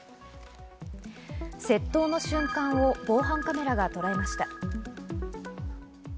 窃盗の瞬間を防犯カメラがとらえました。